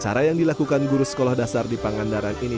cara yang dilakukan guru sekolah dasar di pangandaran ini